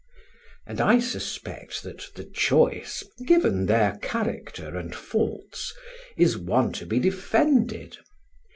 And I suspect that the choice, given their character and faults, is one to be defended.